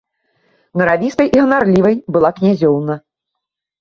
Наравістай і ганарлівай была князёўна.